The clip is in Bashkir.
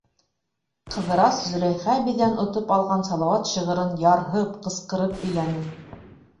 Ҡыҙырас Зөләйха әбейҙән отоп алған Салауат шиғырын ярһып, ҡысҡырып һөйләне: